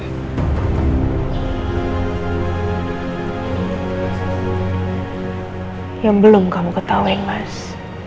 yang belum kamu ketahui mas